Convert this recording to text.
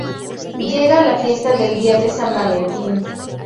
Llega a la fiesta del Día del San Valentin.